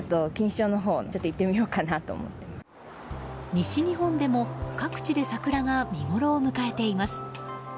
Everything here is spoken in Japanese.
西日本でも各地で桜が見ごろを迎えています。